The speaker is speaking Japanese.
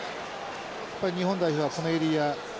やっぱり日本代表はこのエリア。